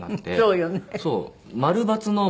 そうよね。